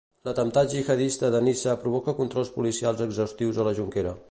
L'atemptat jihadista de Niça provoca controls policials exhaustius a la Jonquera.